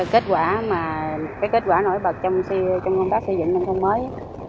kết quả nổi bật trong công tác xây dựng nông thuân mới